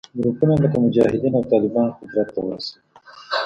ګروپونه لکه مجاهدین او طالبان قدرت ته ورسوي